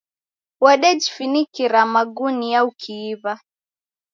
Wodejifinikira magunia ukiiw'a.